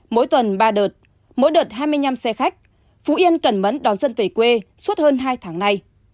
mỗi tuần ba đợt mỗi đợt hai mươi năm xe khách phú yên cẩn mẫn đón dân về quê suốt hơn hai tháng nay